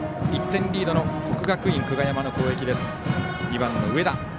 １点リードの国学院久我山の攻撃。